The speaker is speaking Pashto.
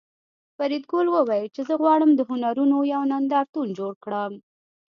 فریدګل وویل چې زه غواړم د هنرونو یو نندارتون جوړ کړم